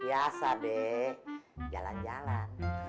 biasa dek jalan jalan